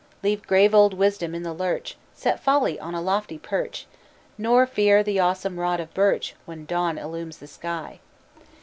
Leave grave old Wisdom in the lurch, Set Folly on a lofty perch, Nor fear the awesome rod of birch When dawn illumes the sky.